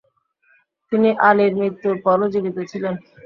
তিনি আলীর মৃত্যুর পরও জীবিত ছিলেন।